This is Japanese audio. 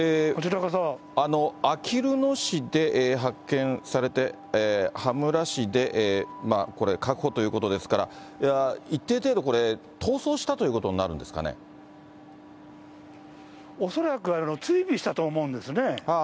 あきる野市で発見されて、羽村市でこれ、確保ということですから、一定程度、これ、逃走した恐らく、追尾したと思うんですね。